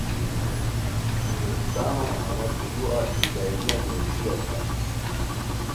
انگریستانو اوا شروعہ ای ڈائریہ نیویشی استام